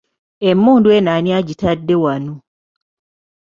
Emmundu eno ani agitadde wano?